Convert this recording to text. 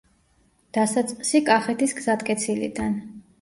დასაწყისი კახეთის გზატკეცილიდან.